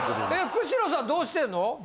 久代さんどうしてんの？